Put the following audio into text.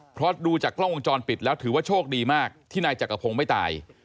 เพราะดูจากกล้องวงจรปิดแล้วถือว่าโชคดีมากที่นายจักรพงศ์ไม่ตาย